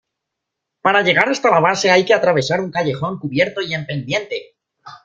Para llegar hasta la base hay que atravesar un callejón cubierto y en pendiente.